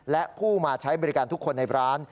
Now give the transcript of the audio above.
และผู้มาใช้บริการทุกคนในร้าน